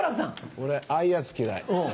俺ああいうヤツ嫌い。